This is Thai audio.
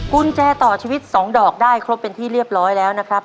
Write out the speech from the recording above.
กุญแจต่อชีวิต๒ดอกได้ครบเป็นที่เรียบร้อยแล้วนะครับ